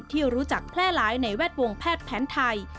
ที่รู้จักแพร่หลายในแวดวงแพทย์แผนไทย